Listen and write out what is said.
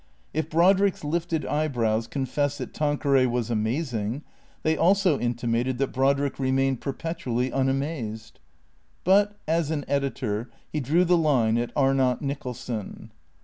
If Brodrick's lifted eyebrows confessed tliat Tanqueray was amazing, they also intimated that Brodrick remained perpetually unamazed. But, as an editor, he drew the line at Arnott Nicholson.